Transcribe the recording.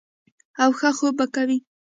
او ښۀ خوب به کوي -